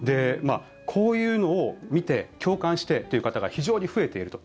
こういうのを見て共感してという方が非常に増えていると。